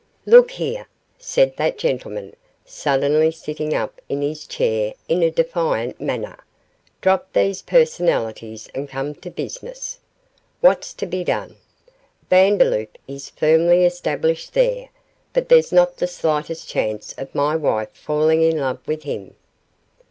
'Look here,' said that gentleman, suddenly sitting up in his chair in a defiant manner, 'drop these personalities and come to business; what's to be done? Vandeloup is firmly established there, but there's not the slightest chance of my wife falling in love with him.